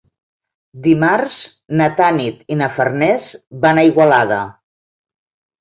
Dimarts na Tanit i na Farners van a Igualada.